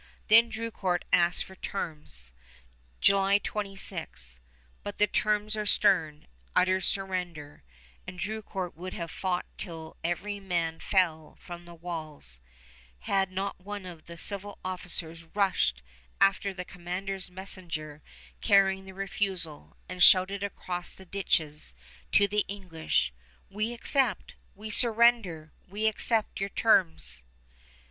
Then Drucourt asks for terms, July 26; but the terms are stern, utter surrender, and Drucourt would have fought till every man fell from the walls, had not one of the civil officers rushed after the commander's messenger carrying the refusal, and shouted across the ditches to the English: "We accept! We surrender! We accept your terms!"